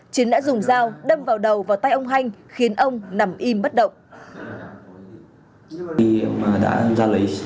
chiến đã dùng dao đâm vào đầu vào tay ông hanh khiến ông nằm im bất động